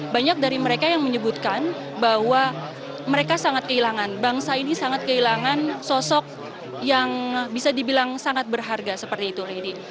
banyak dari mereka yang menyebutkan bahwa mereka sangat kehilangan bangsa ini sangat kehilangan sosok yang bisa dibilang sangat berharga seperti itu lady